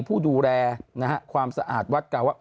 ผู้ดูแลความสะอาดวัดเก่า